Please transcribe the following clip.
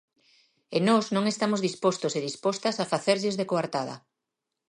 E nós non estamos dispostos e dispostas a facerlles de coartada.